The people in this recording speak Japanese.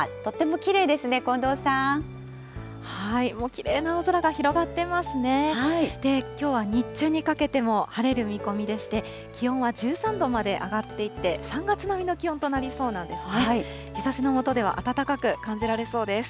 きょうは日中にかけても晴れる見込みでして、気温は１３度まで上がっていって、３月並みの気温となりそうなんですね。